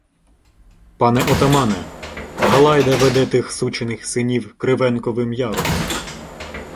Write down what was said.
— Пане отамане! Галайда веде тих сучиних синів Кривенковим яром.